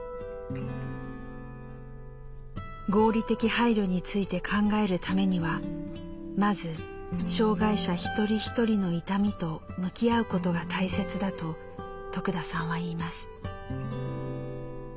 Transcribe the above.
「合理的配慮」について考えるためにはまず障害者一人一人の痛みと向き合うことが大切だと徳田さんは言います。